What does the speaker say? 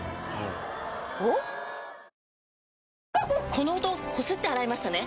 この音こすって洗いましたね？